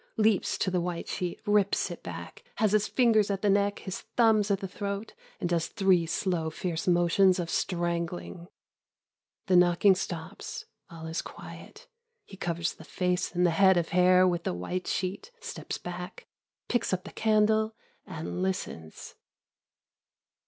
. leaps to the white sheet ... rips it back .,. has his fingers at the neck, his thumbs at the throat, and does three slow fierce motions of strangling. The knocking stops. All is quiet. He covers the face and the head of hair with the white sheet, steps back, picks up the candle and listens.